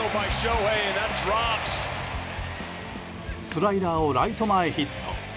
スライダーをライト前ヒット。